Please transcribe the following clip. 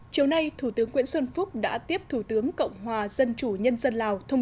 chiều nay thủ tướng nguyễn xuân phúc đã tiếp thủ tướng cộng hòa dân chủ nhân dân lào thông